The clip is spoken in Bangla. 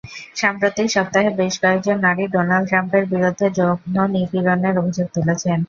সাম্প্রতিক সপ্তাহে বেশ কয়েকজন নারী ডোনাল্ড ট্রাম্পের বিরুদ্ধে যৌন নিপীড়নের অভিযোগ তুলেছেন।